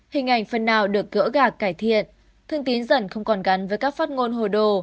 hình ảnh phần nào được gỡ gạc cải thiện thương tín dần không còn gắn với các phát ngôn hồi đồ